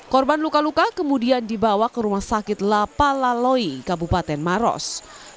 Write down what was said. korban luka luka kemudian dibawa ke rumah sakit lapalaloi kabupaten maros